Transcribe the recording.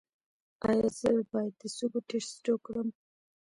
ایا زه باید د سږو ټسټ وکړم؟